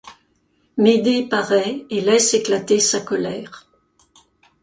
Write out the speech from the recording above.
Médée paraît et laisse éclater sa colère.